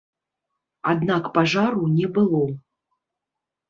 Аднак пажару не было.